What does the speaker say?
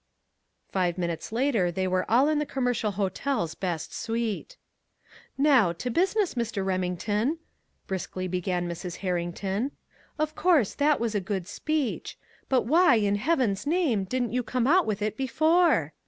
Five minutes later they were all in the Commercial Hotel's best suite. "Now, to business, Mr. Remington," briskly began Mrs. Herrington. "Of course, that was a good speech. But why, in heaven's name, didn't you come out with it before?"